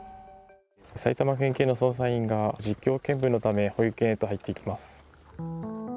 埼玉県警の捜査員が実況見分のため保育園へと入っていきます。